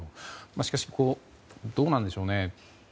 しかしどうなんでしょうね。